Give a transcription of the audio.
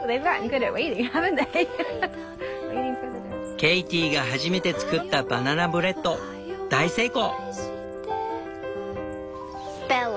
ケイティが初めて作ったバナナブレッド大成功。